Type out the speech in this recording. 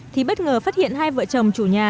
thì bất ngờ phát hiện hai vợ chồng chủ nhà